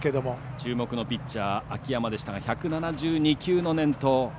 注目のピッチャー秋山でしたが１７２球の連投。